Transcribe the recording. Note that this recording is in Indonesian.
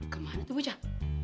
kemana tuh bocah